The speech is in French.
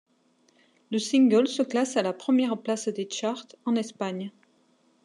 Le single se classe à la première place des charts en Espagne.